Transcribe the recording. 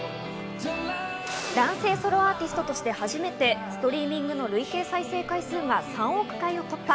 男性ソロアーティストとして初めてストリーミングの累計再生回数が３億回を突破。